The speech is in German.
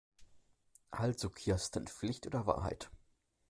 Also Kirsten, Pflicht oder Wahrheit?